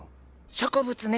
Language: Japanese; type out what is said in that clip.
植物ね